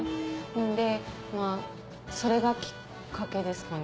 でまぁそれがきっかけですかね。